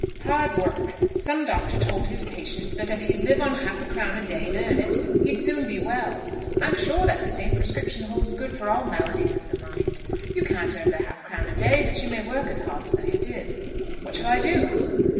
"Hard work. Some doctor told his patient that if he'd live on half a crown a day and earn it, he'd soon be well. I'm sure that the same prescription holds good for all maladies of the mind. You can't earn the half crown a day, but you may work as hard as though you did." "What shall I do?"